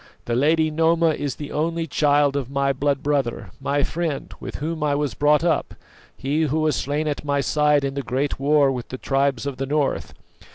The lady Noma is the only child of my blood brother, my friend, with whom I was brought up, he who was slain at my side in the great war with the tribes of the north.